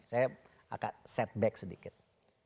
saya akan setback sedikit